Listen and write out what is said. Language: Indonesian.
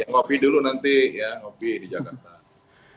ngopi dulu nanti ya ngopi di jakarta